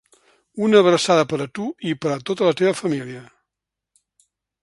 Una abraçada per a tu i per a tota la teva família.